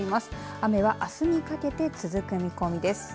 雨はあすにかけて続く見込みです。